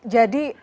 jadi tuntutmu ya